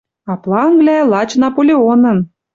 А планвлӓ — лач Наполеонын.